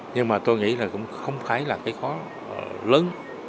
nhưng mà tôi nghĩ là cũng không phải là cái khó lớn